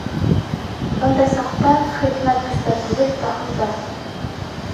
Бындай саҡта хикмәт көстә түгел, таһылда.